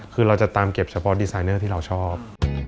คือเราจะตามเก็บเฉพาะดีไซเนอร์ที่เราชอบ